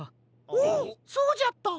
おおそうじゃった。